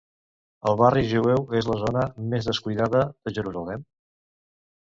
El Barri Jueu és la zona més descuidada de Jerusalem?